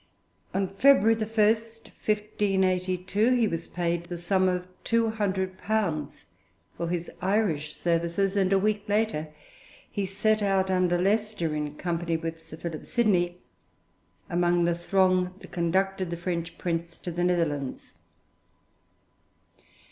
On February 1, 1582, he was paid the sum of 200_l._ for his Irish services, and a week later he set out under Leicester, in company with Sir Philip Sidney, among the throng that conducted the French prince to the Netherlands.